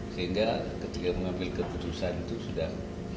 sehingga ketika mengambil keputusan itu sudah